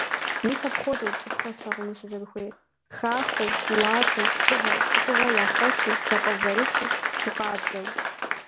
Мис апхуэдэут цӀыхухэр слъэгъуну сызэрыхуейр: хахуэу, уардэу, лӀыгъэ, цӀыхугъэ яхэлъу, зэпӀэзэрыту, гу къабзэу.